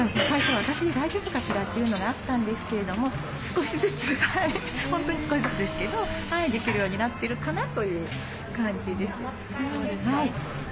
最初私大丈夫かしら？というのがあったんですけれども少しずつ本当に少しずつですけどできるようになってるかなという感じです。